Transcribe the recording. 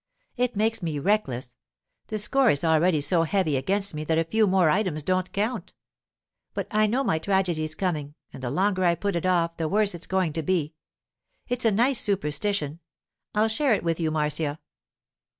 It makes me reckless; the score is already so heavy against me that a few more items don't count. But I know my tragedy's coming, and the longer I put it off the worse it's going to be. It's a nice superstition; I'll share it with you, Marcia.